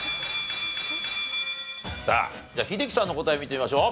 さあでは英樹さんの答え見てみましょう。